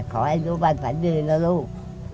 ขอให้ลูกบ้านฝันดีนะลูก